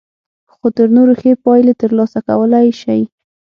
خو تر نورو ښې پايلې ترلاسه کولای شئ.